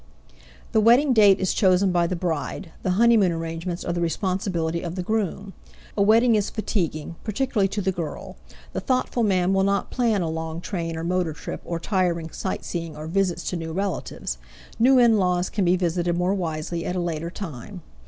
The wedding date is chosen by the bride; the honeymoon arrangements are the responsibility of the groom. A wedding is fatiguing, particularly to the girl; the thoughtful man will not plan a long train or motor trip or tiring sightseeing or visits to new relatives; new in laws can be visited more wisely at a later time.